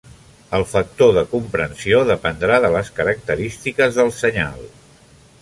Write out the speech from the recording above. El factor de compressió dependrà de les característiques del senyal.